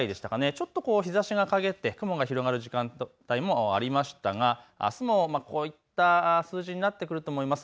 ちょっと日ざしがかげって雲が広がる時間帯もありましたがあすもこういった数字になってくると思います。